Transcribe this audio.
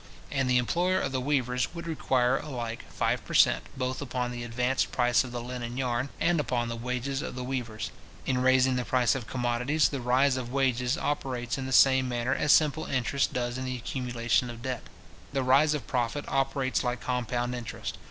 And the employer of the weavers would require alike five per cent. both upon the advanced price of the linen yarn, and upon the wages of the weavers. In raising the price of commodities, the rise of wages operates in the same manner as simple interest does in the accumulation of debt. The rise of profit operates like compound interest.